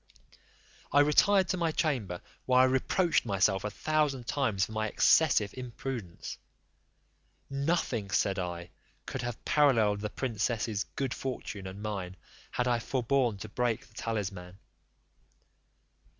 I retired to my chamber, where I reproached myself a thousand times for my excessive imprudence: "Nothing," said I, "could have paralleled the princess's good fortune and mine, had I forborne to break the talisman."